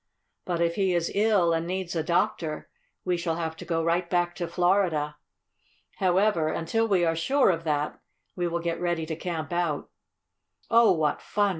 "But if he is ill, and needs a doctor, we shall have to go right back to Florida. However, until we are sure of that, we will get ready to camp out." "Oh, what fun!"